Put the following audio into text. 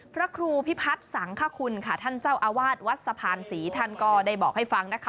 พระครูพิพัฒน์สังคคุณค่ะท่านเจ้าอาวาสวัดสะพานศรีท่านก็ได้บอกให้ฟังนะคะ